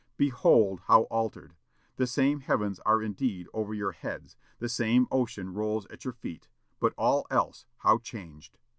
Behold, how altered! The same heavens are indeed over your heads; the same ocean rolls at your feet; but all else, how changed!